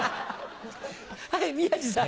はい宮治さん。